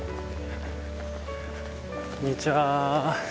こんにちは。